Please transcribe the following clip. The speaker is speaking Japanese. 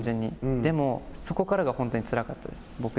でも、そこからが本当につらかったです